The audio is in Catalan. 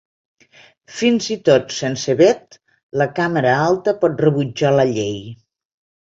Fins i tot sense vet, la càmera alta pot rebutjar la llei.